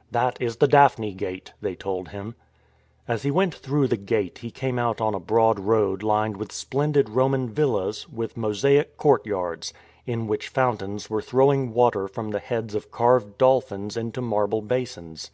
" That is the Daphne gate," they told him. As he went through the gate he came out on a broad road lined with splendid Roman villas with mosaic courtyards, in which fountains were throwing water from the heads of carved dolphins into marble basins.